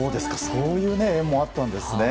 そういう縁もあったんですね。